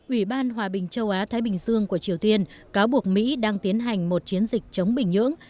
ủy ban hòa bình châu á thái bình dương của triều tiên cáo buộc mỹ đang tiến hành một chiến dịch chống bình nhưỡng